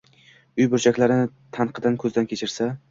uy burchaklarini tanqidan ko‘zdan kechirsa